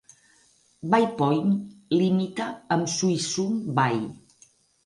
Bay Point limita amb Suisun Bay.